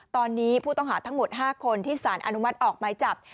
ตอนนี้ผู้ต้องหาทั้งหมด๕คนที่สารอนุมัติออกไม้จับ